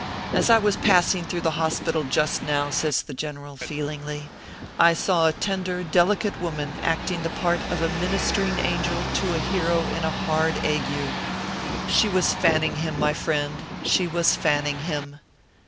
As I was pass ing through the hospital just now/ says the general, feelingly, " I saw a tender, delicate woman acting the part of a ministering angel to a hero in a hard ague. She was fanning him, my friend she was fanning him."